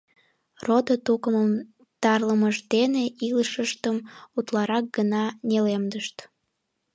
Родо-тукымым тарлымышт дене илышыштым утларак гына нелемдышт.